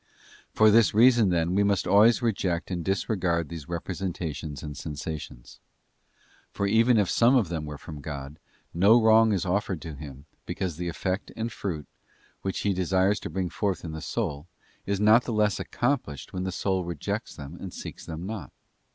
For this reason, then, we must always reject and disregard these representations and sensations. For even if some of them were from God, no wrong is offered to Him, because }, the effect and fruit, which He desires to bring forth in the soul, is not the less accomplished when that soul rejects them and seeks them not.